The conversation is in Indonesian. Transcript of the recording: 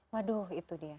waduh itu dia